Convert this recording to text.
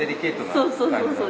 そうそうそうそう。